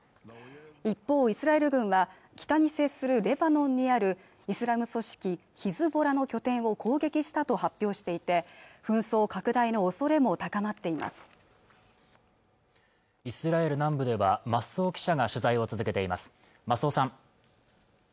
一方イスラエル軍は北に接するレバノンにあるイスラム組織ヒズボラの拠点を攻撃したと発表していて紛争拡大の恐れも高まっていますイスラエル南部では増尾記者が取材を続けています